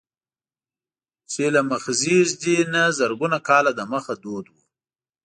چې له مخزېږدي نه زرګونه کاله دمخه دود و.